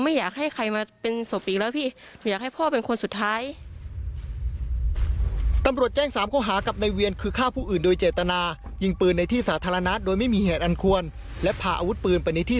ไม่อยากให้ใครมาเป็นศพอีกแล้วพี่